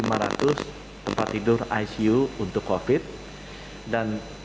dan perhubungan dengan tempat tidur isolasi adalah tujuh lima ratus tempat tidur isolasi